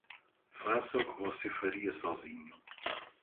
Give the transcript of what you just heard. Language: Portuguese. Faça o que você faria sozinho.